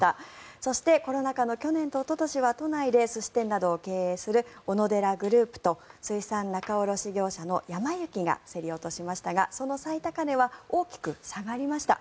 そしてコロナ禍の去年とおととしは都内で寿司店などを経営するオノデラグループと水産仲卸業者のやま幸が競り落としましたがその最高値は大きく下がりました。